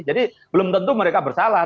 jadi belum tentu mereka bersalah